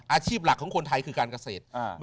อาชีพหลักของคนไทยคือการเกษตร